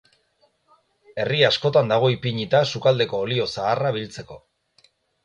Herri askotan dago ipinita sukaldeko olio zaharra biltzeko.